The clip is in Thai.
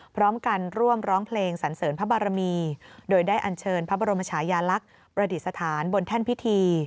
พร้อมกันร่วมร้องเพลงสันเสริญพระบารมีโดยได้อันเชิญพระบรมชายาลักษณ์ประดิษฐานบนแท่นพิธี